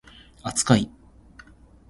扱い